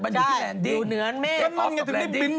อยู่เหนืออันเมฆออฟกรแรนดิน